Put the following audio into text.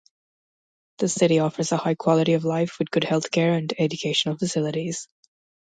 The city offers a high quality of life with good healthcare and educational facilities.